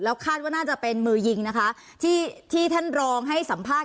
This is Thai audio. คาดว่าน่าจะเป็นมือยิงนะคะที่ที่ท่านรองให้สัมภาษณ